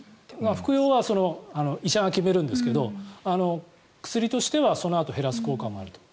服用は医者が決めるんですが薬としてはそのあと減らす効果もあると。